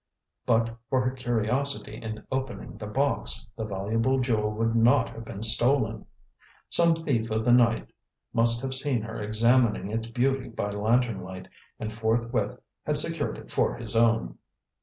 But for her curiosity in opening the box, the valuable jewel would not have been stolen. Some thief of the night must have seen her examining its beauty by lantern light, and forthwith had secured it for his own.